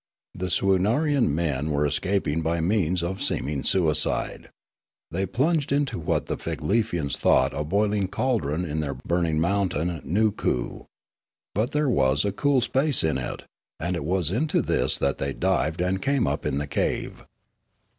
The Swoonarian men were escaping by means of seeming suicide. They plunged into what the Figlefians thought a boiling caldron in their burning mountain Nookoo. But there was a cool space in it, and it was into this that they dived and came up in the cave.